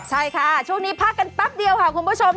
ใช่ค่ะช่วงนี้พักกันแป๊บเดียวค่ะคุณผู้ชม